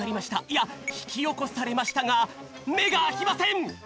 いやひきおこされましたがめがあきません！